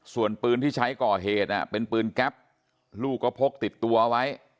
ส่วนปือนที่ใช้ก่อเหตุอ่ะเป็นปือนกรัฟลูกก็พกติดตัวเอาไว้